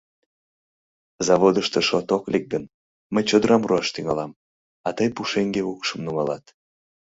Заводышто шот ок лек гын, мый чодырам руаш тӱҥалам, а тый пушеҥге укшым нумалат.